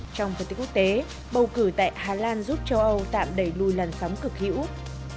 trong phần tiết quốc tế bầu cử tại hà lan giúp châu âu tạm đẩy lùi làn sóng cực hữu